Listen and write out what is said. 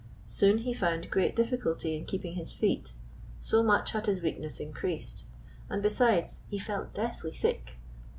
Soon he found great difficulty in keeping his feet, so much had his weakness increased, and, besides, he felt deathly sick.